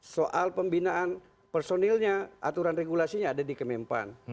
soal pembinaan personilnya aturan regulasinya ada di kemenpan